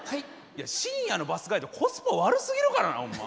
いや深夜のバスガイドコスパ悪すぎるからなホンマ。